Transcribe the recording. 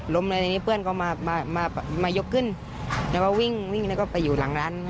เลยทีนี้เพื่อนก็มามายกขึ้นแล้วก็วิ่งวิ่งแล้วก็ไปอยู่หลังร้าน